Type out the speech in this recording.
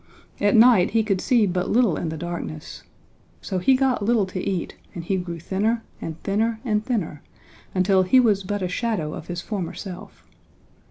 At night he could see but little in the darkness. So he got little to eat and he grew thinner and thinner and thinner until he was but a shadow of his former self.